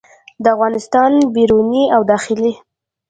د افغانستان د بیروني او داخلي